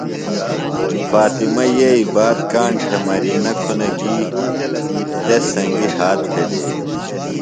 ۔فاطمہ یئی بات کاݨ تھےۡ مرینہ کُھنہ گیۡ تس سنگیۡ ہات پھدیلیۡ۔